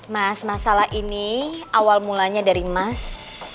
mas masalah ini awal mulanya dari mas